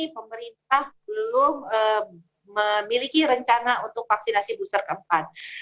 pemerintah belum memiliki rencana untuk vaksinasi booster keempat